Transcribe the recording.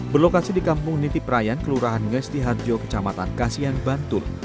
berlokasi di kampung niti prayan kelurahan ngesti harjo kecamatan kasian bantul